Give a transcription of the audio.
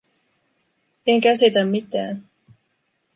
En käsitä mitään.